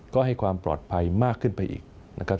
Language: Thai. ก็ให้ความปลอดภัยมากขึ้นไปอีกนะครับ